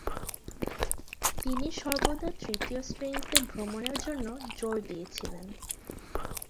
তিনি সর্বদা তৃতীয় শ্রেণিতে ভ্রমণের জন্য জোর দিয়েছিলেন।